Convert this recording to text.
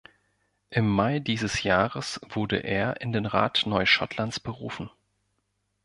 Im Mai dieses Jahres wurde er in den Rat Neuschottlands berufen.